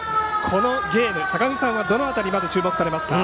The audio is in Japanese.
このゲーム坂口さんはどの辺りにまず注目されますか。